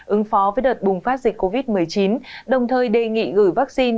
ứng phó với đợt bùng phát dịch covid một mươi chín đồng thời đề nghị gửi vaccine